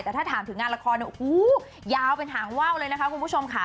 แต่ถ้าถามถึงงานละครยาวเป็นหางว่าวเลยนะคะคุณผู้ชมค่ะ